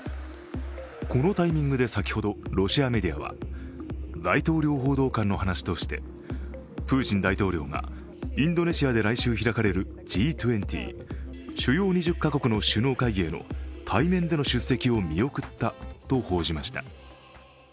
このタイミングで先ほどロシアメディアは大統領報道官の話としてプーチン大統領がインドネシアで来週開かれるＧ２０＝主要２０か国の首脳会議への対面での出席を見送ったと報じました。